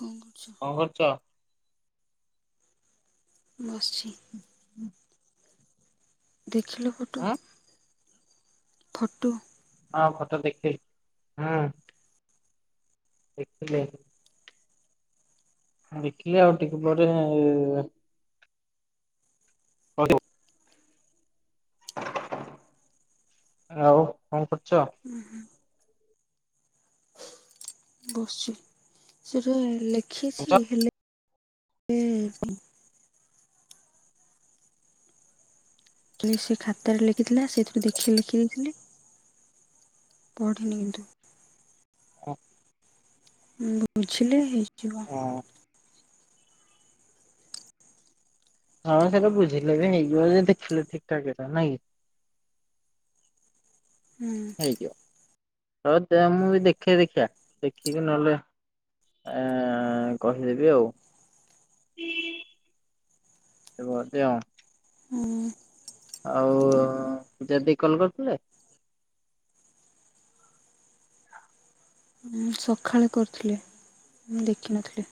କଣ କରୁଛ? କଣ କରୁଚ? ବସିଛି। ହୁଁ। ଦେଖିଲ ଫଟୋ? ଫଟୋ। ହଁ ଫଟୋ ଦେକହିଥିଲି ହୁଁ। ଦେଖିଲି ଦେଖିଲି ଆଉ ଟିକେ ପରେ ହଉ। ଆଉ କଣ କରୁଚ? ହୁଁ ହୁଁ। ବସିଛି ସେଟା ଲେଖିଛି ହେଲେ [unintelligible] ସେ ଖାତାରେ ଲେଖିଥିଲା ସେଥିରୁ ଦେଖିକି ଲେଖି ଦେଇଥିଲି। ପଢ଼ିନିି କିନ୍ତୁ। ହ। ବୁଝିଲେ ହେଇଯିବ। ହଁ ସେଟା ବୁଝିଲେ ବି ହେଇଯିବ ଯେ ଦେଖିଲେ ଠିକ ଠାକ ନାଇଁ କି। ହୁଁ। ହଉ ଦେ ମୁଁ ଦେଖେ ଦେଖିଆ ଦେଖିକି ନହେଲେ ଏ କହିଦେବି ଆଉ। ବୋଧେ ଆଉ। ହଁ। ଆଉ ଜଦି କଲ କରିଥିଲା? ହୁଁ ସଖାଳେ କରିଥିଲେ ମୁଁ ଦେଖିନଥିଲି।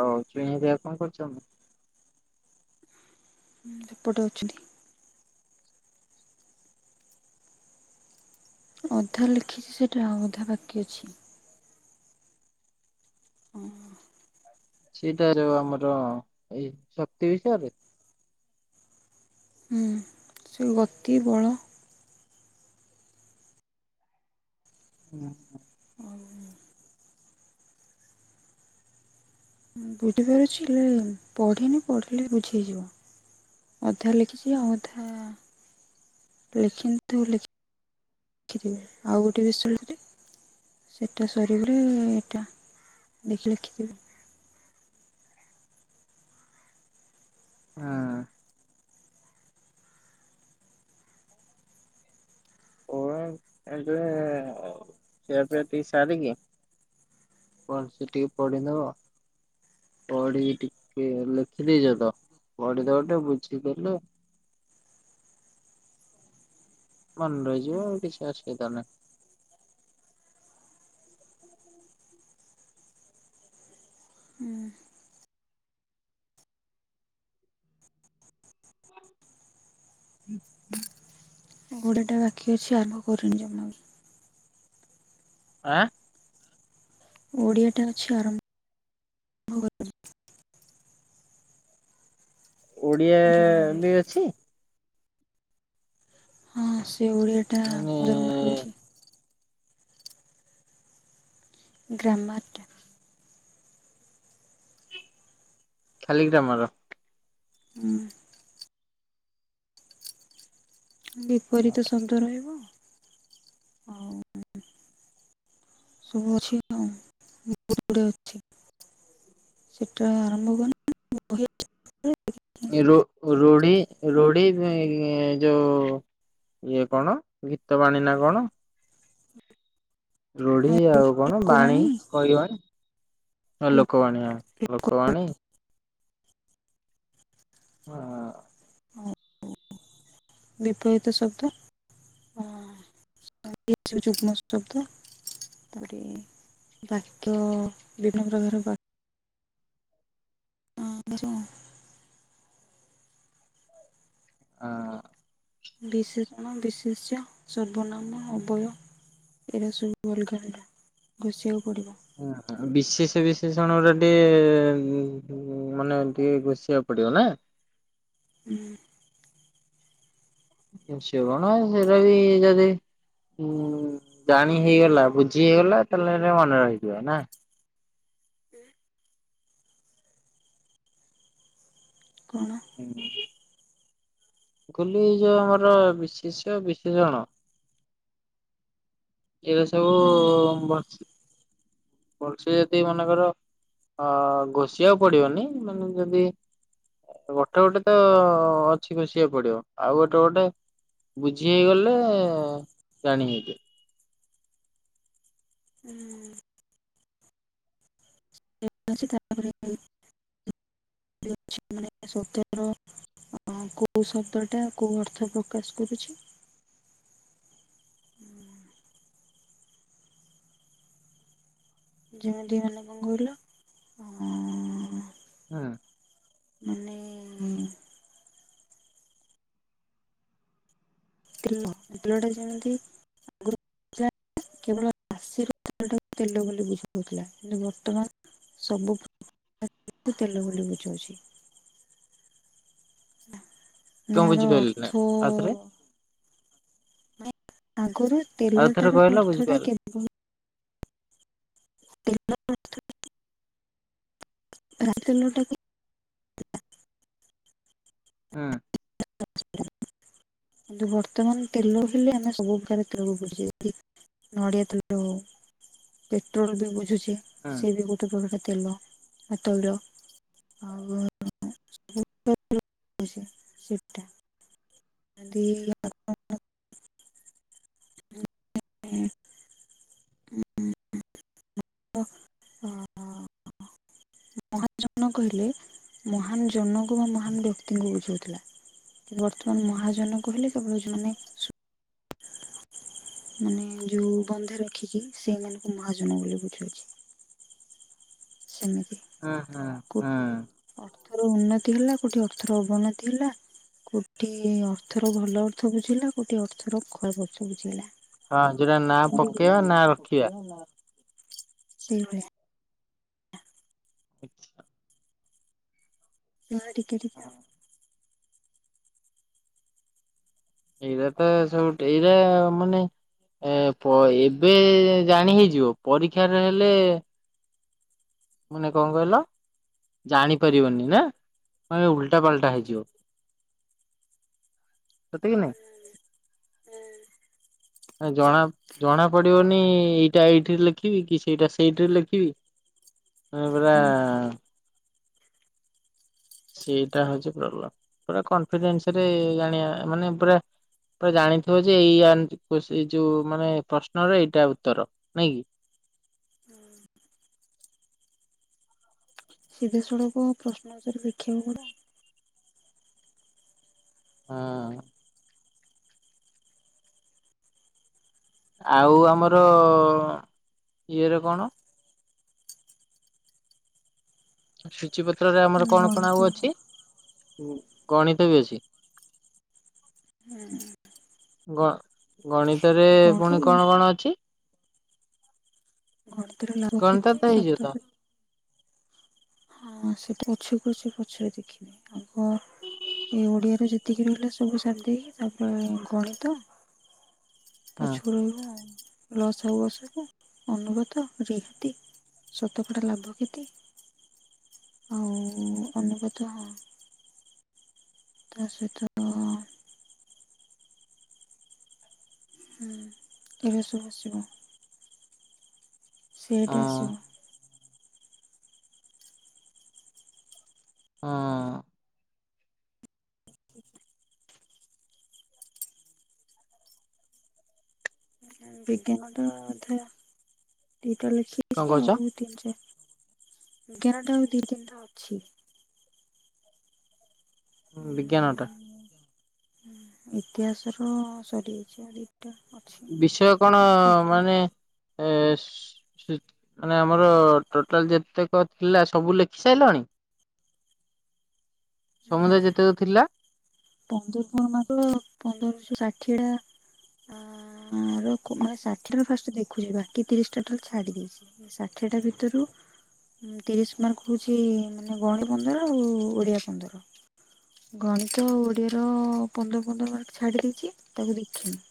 ଆଉ ଚୁଇଁ ହରିକା କଣ କରୁଛନ୍ତି? ସେପଟେ ଅଛନ୍ତି। ଅଧା ଲେଖିଛି ସେଇଟା ଆଉ ଅଧା ବାକି ଅଛି। ହଁ ହଁ। ସେଟା ର ଆମର ଏଇ ଶକ୍ତି ବିଷୟରେ। ହୁଁ। ସେ ଗତି ବଳ। ହୁଁ ହଁ। ଆଉ ଁ ବୁଝି ପାରୁ [unintelligible] ଛି ପଢିନି ପଢିଲେ ବୁଝି ହେଇଯିବ। ଅଧା ଲେଖିଛି ଆଉ ଅଧା ଲେଖିନଲ ଦେଖିିବେ ଆଉ ଗୋଟେ ବିଶରେ ସେଟା ସରଗଲେ ଏଟା ଦେଖି ଲେଖିବି।। ହା। ଓଏ ଏବେ ଖିଆ ପିଆ ଟିକେ ସାରିକି କଣ ସେ ଟିକେ ପଡି ନବ। ପଢି ଟିକେ ଲେଖିଦେଇଛ ତ ପଢିଦବ ଟିକେ ବୁଝିିଦେଲେ। ମନ ରହିଯିବ କିଛି ଅସୁବିଧା ନାହିଁ। ହୁଁ ହୁଁ। ଘୋଡ଼ାଟା ବାକି ଅଛି ଆରମ୍ଭ କରୁନି ଜମାରୁ। ଆଁ। ଓଡିଆଟା ଅଛି ଆରମ୍ଭ କରି ଓଡିଆ ବି ଅଛି। ହଁ ସେ ଓଡିଆ ଟା ମାନେ ପନ୍ଦର ମାର୍କରୁ ଅଛି। ଗ୍ରାମରଟା। ଖାଲି ଗ୍ରାମର? ହୁଁ। ବିପରୀତ ସନ୍ଦ ରହିବ ଆଉ ସବୁ ଅଛି ଆଉ ଗୁଡେ ଅଛି ସେଟା ଆରମ୍ଭ କରିନ୍‌। ବହୁତ! [unintelligible] ହ। [unintelligible] ର ରୁଢ଼ି ରୁଢ଼ି ଯୋଉ ଇଏ କଣ ଗୀତ ବାଣି ନା କଣ। ରୁଢି ଆଉ କଣ ବାଣୀ ଲୋକବାଣୀ କହିବ ଲୋକବାଣୀ ଆଉ ଲୋକବାଣୀ। ହଁ ହଁ। ବିପରୀତ ଶବ୍ଦ ହ। ଆଉ ଇଟ୍ ରୁ ଯୁଗ୍ମ ଶବ୍ଦପଡ଼ିନେଇଁ। ବାକ୍ୟ ବିଭିନ୍ନ ପ୍ରକାର ବା ଯେଉଁ ଆଁ। ବିଶେଷଣ ବିଶେଷ୍ୟ ସର୍ବନାମ ଅବୟ। ଏଉରା ସବୁ ଅଲଗା ଅଲଗା ଘୋଷିବାକୁ ପଡିବ। ହଁ ବିଶେଷ ବିଶେଷଣ ଯଦି ଉଁ ମାନେ ଏମିତି ଘୋଷିଆକୁ ପଡିବ ନା। ହୁଁ। ସେବଣ ସେଉରା ବି ଯଦି ହୁଁ ଜାଣି ହେଇଗଲା ବୁଝି ହେଇଗଲା ତାଲେଲେ ମନେ ରହିଯିବ ନା। କଣ ହଁ ଗୋଲି ଯୋଉ ଆମର ବିଶେଷ୍ୟ ବିଶେଷଣ। ଏଭରା ସବୁ ଉ, ଉ, ଉପଶୁଜାତି ମାନଙ୍କର। ଅ ଘୋଷିବାକୁ ପଡିବନି ତମେ ଯଦି ଗୋଟେ ଗୋଟେ ତ ଅଛି ଘୋସିବାକୁ ପଡିବ ଆଉ ଗୋଟେ ଗୋଟେ ବୁଝି ହେଇଗଲେ ଜାଣି ହେଇଯି ହୁଁ। ତାପରେ ସ [unintelligible] ଅ କୋଉ ଶବ୍ଦ ଟା କୋଉ ଅର୍ଥ ପ୍ରକାଶ କରୁଚି। ହ। ଯେମିତି ମାନେ କଣ କହିଲ ଅଁ। ଆଁ ମାନେ ଉଁ। ୋିଲଟା ଜାଣନ୍ତି ଆଗରୁ [unintelligible] କେବଳ ରାଶିର ତେଲଟା ତେଲ ବୋଲି ବୁଝିହେଉଥିଲା କିନ୍ତୁ ବର୍ତ୍ତମାନ ସବୁ ତେଲ ବୋଲି ବୁଝଉଛି। ମାନେ କଣ ଏହାର ବୁଝିପାରିଲେ ନା ଅର୍ଥ ଆଉଥରେ? ଅ ଆଗରୁ ଆଉଥରେ ତେଲଟା ର କହିଲ ଅର୍ଥ ଟା ବୁଝିପାରିଲି କେମିତି [inaudible] ରାଶି ତେଲ ଟା ବି ହୁଁ। [inaudible] କିନ୍ତୁ ବର୍ତ୍ତମାନ ତେଲ ହେଲେ ଆମେ ସବୁ ପ୍ରକାର ତେଲକୁ ବୁଝେଇବୁ। ନଡିଆ ତଲ ହଉ ପେଟ୍ରୋଲ ବି ବୁଝୁଛେ ହୁଁ ସିଏ ବି ଗୋ [inaudible] ବା ତୈଳ। ଆଉ [inaudible] ଆ [inaudible] ହ ହୁଁ [inaudible] ମହାଜନ କହିଲେ ମହାନ ଜନଙ୍କୁ ମୁଁ ହୁଁ ମହାନ ବ୍ୟକ୍ତିଙ୍କୁ ବୁଝଉଥିଲା। କିନ୍ତୁ ବର୍ତ୍ତମାନ ମହାଜନ କହିଲେ କେବଳ ଯୋଉମାନେ- ମାନେ ଯୋଉ ବନ୍ଧା ରଖିକି ସେଇମାନଙ୍କୁ ମହାଜନ ବୋଲି ବୁଝଉଛି। ସେମିତି ହୁଁ ହୁଁ କୋଉଠି ଅର୍ଥର ଉନ୍ନତି ହେଲା କୋଉଠି ଅର୍ଥର ଅବନତି ହେଲା କଉଠି ଅର୍ଥର ଭଲ ଅର୍ଥ ବୁଝିହେଲା କଉଠି ଅର୍ଥର ଖରାପ ଅର୍ଥ ବୁଝିହେଲା। ହଁ ଯୋଉଟା ନା ପକେଇବା ନା ରଖିବା। ହେଲୋ। ସେଇଭଳିଆ। ଆଚ୍ଛା ହଁ ଟିକେ ଟିକେ ହଁ ଆଉ। ଏଇରା ତ ସବୁ ଟ ଏଇରା ମାନେ ଏ ପ ଏବେ ଜାଣି ହେଇଯିବ ପରୀକ୍ଷାରେ ହେଲେ ମାନେ କଣ କହିଲ? ଜାଣିପାରିବନି ନା ମାନେ ଉଲଟା ପାାଲଟା ହେଇଯିବ। ସତେ କି ନାଇଁ। ଆ ଜଣା ଜଣା ପଡିବନି ଏଇଟା ଏଇଠିରେ ଲେଖିବି କି ସେଇଟା ସେଇଠିରେ ଲେଖିବି। ଏ ପ [inaudible] ସେଇଟା ହଉଛି ପ୍ରବ୍ଲେମ ପୁରା କନିଫିଡେନ୍ସରେ ଜାଣିବା ମାନେ ପୁରା ପୁରା ଜାଣିଥିବ ଯେ ଏଇଆ ଆନ କୋଶ ଏଇ ଯୋଉ ମାନେ ପ୍ରଶ୍ନର ଏଇଟା ଉତ୍ତର ନାଇଁ କି? ହୁଁ। ସିଧାସଳଖ ପ୍ରଶ୍ନ ଉତ୍ତର ଦେଖିବାକୁ ପରା। ହଁ। ଆଉ ଆମର ଇଏରେ କଣ? ସୂଚୀ ପତ୍ରରେ ଆମର ପଡେ କଣ କଣ ଗଣିତ ଆଉ ଅଛି ଗଣିତ ବି ଅଛି। ହୁଁ। ଗ ଗଣିତ ରେ ଗଣି ପୁଣି କଣ କଣ ଅଛି? ଗଣିତରେ ଲାଭ ଗଣିତ କ୍ଷତି ତ ସ ହେଇଯିବ ତ ହଁ ସେଇଟା ପଛକୁ ଅଛି ପଛରେ ଦେଖିବି ଆଗ ଏ ଓଡ଼ିଆରେ ଯେତିକି ରହିଲା ସବୁ ସାରିଦେଇକି ତାପରେ ଗଣିତ ହଁ ପଛକୁ ରହିବ ଆଉ ଲସାଗୁ ଗସାଗୁ ଅନୁପାତ ରୀହାତି। ଶତକଡ଼ା ଲାଭ କ୍ଷତି ଆଉ ଅନୁପାତ ହଁ। ତା ସହିତ ହୁଁ ହୁଁ ଏଇରାସବୁ ଆସିବ। ସେଟ ହଁ ଆସିବ। ହଁ। ବିଜ୍ଞାନଟା ଅଧା ଦିଟା କଣ ଲେଖିଛି କହୁଛ? ଆଉ। ତିନି ଚାର ଏଗାରଟା ଆଉ ଦି ତିନିଟା ଅଛି। ହଁ ବିଜ୍ଞାନଟା? ହଁ ଇତିହାସ ର ସରିଯାଇଛି ଆଜି। ଟା ଅଛି। ବିଷୟ କଣ ମାନେ ଏ ଚୁ ମାନେ ଆମର ଟୋଟାଲ ଯେତେକ ଥିଲା ସବୁ ଲେଖି ସାଇଲଣି? ସମୁଦାୟ ଯେତେକ ଥିଲା? ପନ୍ଦରଶର ମାସ ପନ୍ଦରଶହ ଷାଠିଏ ଟା। ଆ ର କୁ ମାନେ ଷାଠିଏରୁ ଫାଷ୍ଟ ଦେଖୁଛି ବାକି ତିରିଶଟା ଟୋଟାଲ ଛାଡି ଦେଇଛି। ଷାଠିଏ ଟା ଭିତରୁ ଉଁ ତିରିଶ ମାର୍କ ହୋଉଛି ମାନେ ଗଣି ପନ୍ଦର ଆଉ ଓଡ଼ିଆ ପନ୍ଦର। ଗଣିତ ଓଡିଆର ପନ୍ଦର ପନ୍ଦର ମାର୍କ ଛାଡି ଦେଇଛି ତାକୁ ଦେଖିନି।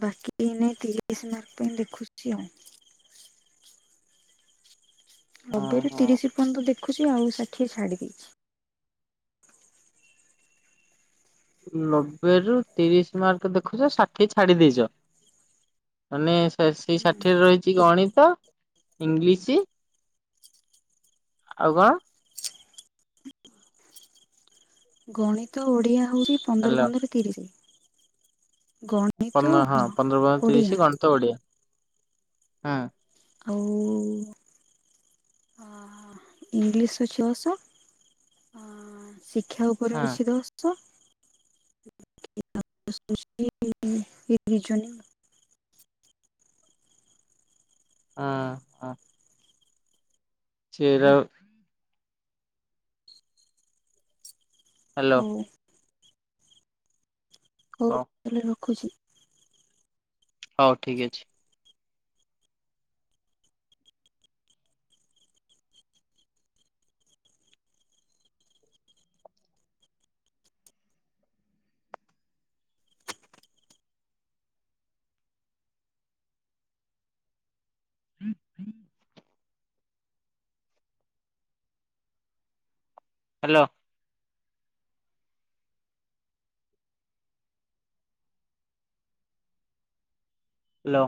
ବାକି ଏନେ ତିରିସ୍ ମାର୍କ ପାଇଁ ଦେଖୁଛି ଆଉ। ହଁ ନବେରୁ ହଁ। ତିରିଶ ପର୍ଯ୍ୟନ୍ତ ଦେଖୁଛି ଆଉ ଷାଠିଏ ଛାଡି ଦେଇଛି। ନବେ ରୁ ତିରିଶ ମାର୍କ ଦେଖୁଛ ଷାଠିଏ ଛାଡି ଦେଇଛ? ମାନେ ସା ସେଇ ଷାଠିଏରେ ରହି ଛି ଗଣିତ ଇଂଲିଶ ଆଉ କଣ? ଗଣିତ ଓଡ଼ିଆ ହେଉଛି ପନ୍ଦର ହ୍ୟାଲୋ ପନ୍ଦର ତିରିଶ। ଗଣିତ ଓଡିଆ। ତ ଓଡ଼ିଆ ହଁ। ଆଉ। ଅ ଇଂଲିଶ ଛଅସହ ଶିକ୍ଷା ପରି ହଁ ମିଶି ଦସ। [unintelligible] ହଁ। ଛେରା ହ୍ୟାଲୋ ହୋଉ। ହୋଉ ହଉ ତାହାଲେ ରଖୁଛି। ହଉ ଠିକ୍ ଅଛି। ହୁଁ ହୁଁ। ହ୍ୟାଲୋ। ହ୍ୟାଲୋ।